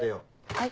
はい。